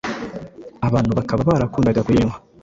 abantu bakaba barakundaga kuyinywa